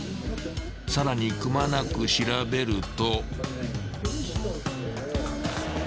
［さらにくまなく調べると］